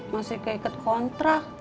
masih keikat kontrak